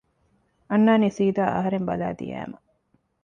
އަންނާނީ ސީދާ އަހަރެން ބަލާ ދިޔައިމަ